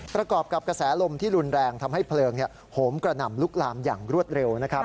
ประกอบกับกระแสลมที่รุนแรงทำให้เพลิงโหมกระหน่ำลุกลามอย่างรวดเร็วนะครับ